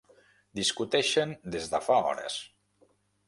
Discuteixen des de fa hores.